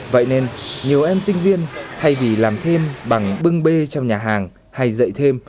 vậy nên nhiều em sinh viên thay vì làm thêm bằng bưng bê trong nhà hàng hay dạy thêm